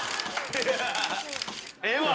ええわ！